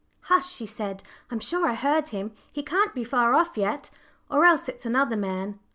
"Hush!" she said; "I'm sure I heard him. He can't be far off yet, or else it's another man.